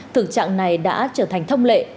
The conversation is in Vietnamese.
thực trạng này đã trở thành thông lệ